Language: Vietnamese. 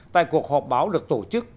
tại cuộc họp báo được tổ chức